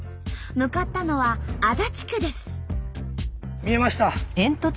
向かったのは足立区です。